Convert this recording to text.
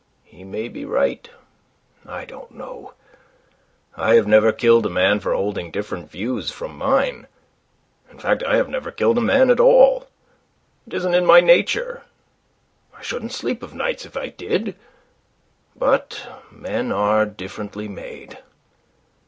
He may be right. I don't know. I have never killed a man for holding different views from mine. In fact, I have never killed a man at all. It isn't in my nature. I shouldn't sleep of nights if I did. But men are differently made."